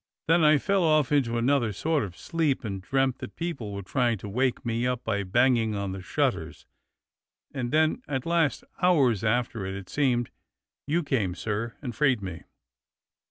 Then I fell off into another sort of sleep and dreamt that people were trying to wake me up by banging on the shutters, and then at last — hours after it, it seemed — you came, sir, and freed me."